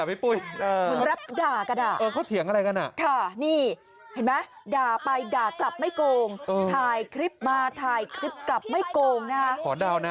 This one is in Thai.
เพราะพี่วันนี้เขาเดินเข้ามาขอถ่ายรูป